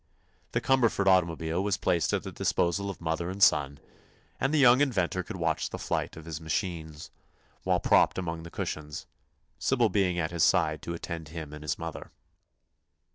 The Cumberford automobile was placed at the disposal of mother and son, and the young inventor could watch the flight of his machine while propped among the cushions, Sybil being at his side to attend him and his mother.